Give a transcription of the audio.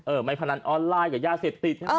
เออไม่พนันออนไลน์กับย่าเศรษฐี